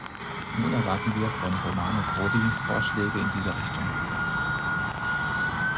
Nun erwarten wir von Romano Prodi Vorschläge in dieser Richtung.